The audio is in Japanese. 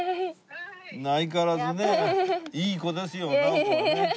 相変わらずねいい子ですよ直子はね。